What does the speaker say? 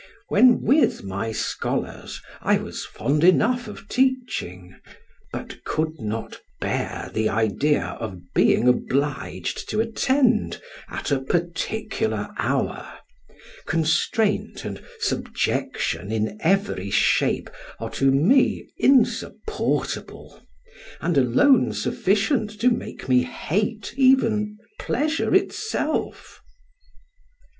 When with my scholars, I was fond enough of teaching, but could not bear the idea of being obliged to attend at a particular hour; constraint and subjection in every shape are to me insupportable, and alone sufficient to make me hate even pleasure itself.